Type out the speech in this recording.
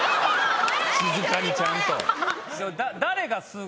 静かにちゃんと。